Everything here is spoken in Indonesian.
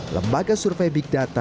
lembaga survei big data